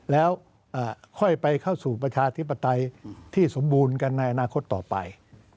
แล้วค่อยไปเข้าสู่ประชาธิปไตยที่สมบูรณ์กันในอนาคตต่อไป